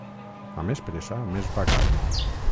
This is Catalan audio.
A més pressa, més vagar.